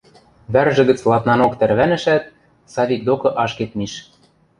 Вӓржӹ гӹц ладнанок тӓрвӓнӹшӓт, Савик докы ашкед миш.